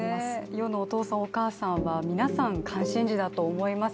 世のお父さんお母さん皆さん、関心事だと思います。